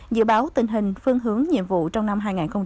dự báo tình hình phương hướng nhiệm vụ trong năm hai nghìn một mươi tám